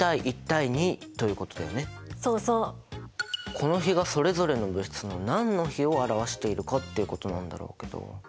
この比がそれぞれの物質の何の比を表しているかっていうことなんだろうけど。